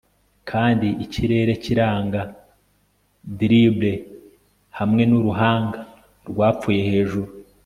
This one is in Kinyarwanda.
Kandi ikirerekiranga dribble hamwe nu ruhanga rwapfuye hejuru